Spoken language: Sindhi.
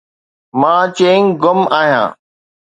مان چيئنگ گم آهيان.